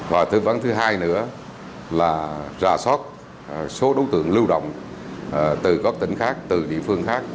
và tư vấn thứ hai nữa là rà soát số đối tượng lưu động từ các tỉnh khác từ địa phương khác